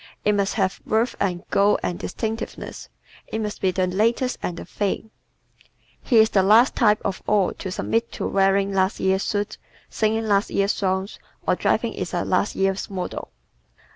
It must have verve and "go" and distinctiveness. It must be "the latest" and "the thing." He is the last type of all to submit to wearing last year's suit, singing last year's songs, or driving in a last year's model.